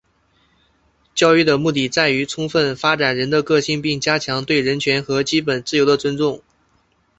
教育的目的在于充分发展人的个性并加强对人权和基本自由的尊重。